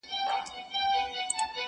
د مورنۍ ژبي ورځ دي ټولو پښتنو ته مبارک وي.